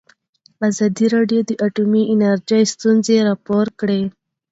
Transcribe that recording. ازادي راډیو د اټومي انرژي ستونزې راپور کړي.